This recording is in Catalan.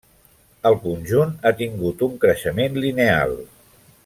El conjunt ha tingut un creixement lineal.